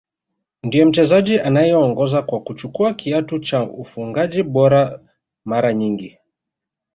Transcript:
Ndiye mchezaji anayeongoza kwa kuchukua kiatu cha ufungaji bora mara nyingi